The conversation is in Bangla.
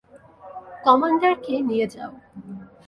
কমান্ডারকে নিয়ে যাও।